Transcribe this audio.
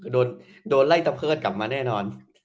โดนไล่ตะเพิดกลับมาแน่นอน